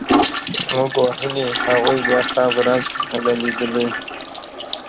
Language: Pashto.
چي موږ وهلي هغوی بیا ښه ورځ نه ده لیدلې